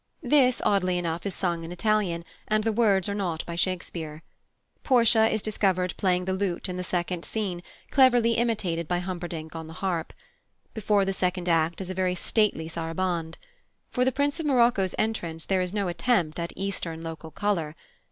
This, oddly enough, is sung in Italian, and the words are not by Shakespeare. Portia is discovered playing the lute in the second scene, cleverly imitated by Humperdinck on the harp. Before the second act is a very stately saraband. For the Prince of Morocco's entrance there is no attempt at Eastern local colour.